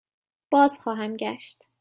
بازخواهم گشت.